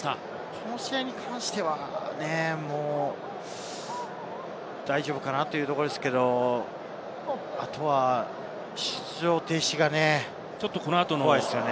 この試合に関してはね、大丈夫かなというところですけれどあとは出場停止がね、怖いですね。